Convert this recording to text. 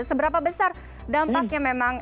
seberapa besar dampaknya memang